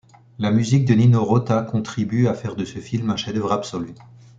La musique de Nino Rota contribue à faire de ce film un chef-d'œuvre absolu.